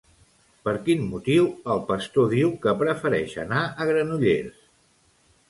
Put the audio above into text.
Per quin motiu el pastor diu que prefereix anar a Granollers?